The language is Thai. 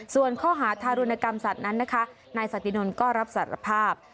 ส่วนข้อหาธารุณกรรมสัตว์นั้นนะคะ